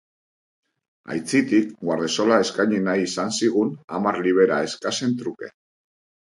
Aitzitik, guardasola eskaini nahi izan zigun hamar libera eskasen truke.